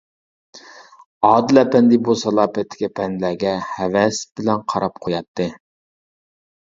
ئادىل ئەپەندى بۇ سالاپەتلىك ئەپەندىلەرگە ھەۋەس بىلەن قاراپ قوياتتى.